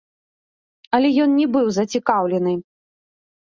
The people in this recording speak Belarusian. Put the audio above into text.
Але ён не быў зацікаўлены.